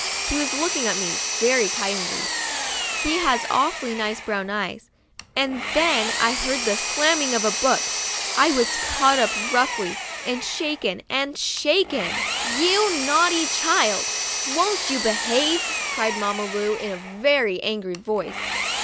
He was looking at me very kindly (he has awfully nice brown eyes) and then I heard the slamming of a book, I was caught up roughly, and shaken and shaken. 61 THE DIARY OF A BIRTHDAY DOLL " You naughty child ! Why don't you behave ?" cried Mamma Lu, in a very angry voice.